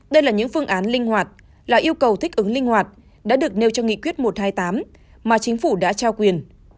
đây là những phương án linh hoạt là yêu cầu thích ứng linh hoạt đã được nêu trong nghị quyết một trăm hai mươi tám mà chính phủ đã trao quyền